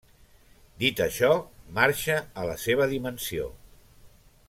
Dit això, marxa a la seva dimensió.